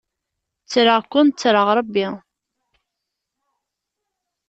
Ttreɣ-ken ttreɣ Ṛebbi.